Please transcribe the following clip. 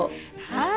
はい。